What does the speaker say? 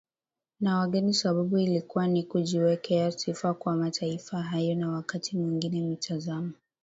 na wageni sababu ilikuwa ni kujiwekea sifa kwa mataifa hayo na wakati mwingine mitazamo